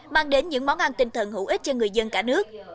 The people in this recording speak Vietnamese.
mang đến những món ăn tinh thần hữu ích cho người dân cả nước